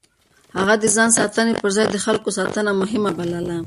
هغه د ځان ساتنې پر ځای د خلکو ساتنه مهمه بلله.